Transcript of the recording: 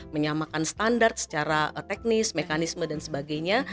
menyamakan standar secara teknis mekanisme dan sebagainya